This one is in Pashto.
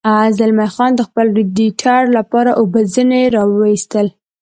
زلمی خان د خپل رېډیټر لپاره اوبه ځنې را ویستل.